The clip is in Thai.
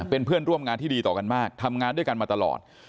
เป็นเพื่อนร่วมงานที่ดีต่อกันมากทำงานด้วยกันมาตลอด